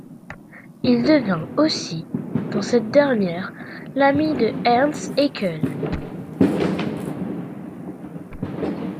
Il devient aussi dans cette dernière l'ami de Ernst Haeckel.